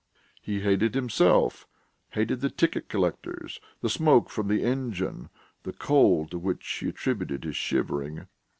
He hated himself, hated the ticket collectors, the smoke from the engine, the cold to which he attributed his shivering.